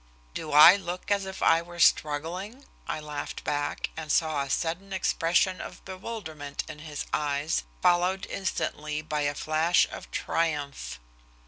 "Do I look as if I were struggling?" I laughed back, and saw a sudden expression of bewilderment in his eyes, followed instantly by a flash of triumph.